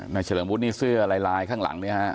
นายเฉลิมวุฒินี่เสื้อลายข้างหลังเลยฮะ